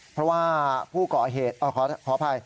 เพราะว่าผู้ก่อเหตุขออภัย